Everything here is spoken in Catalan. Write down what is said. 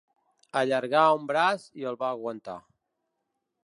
Allargà un braç i el va aguantar.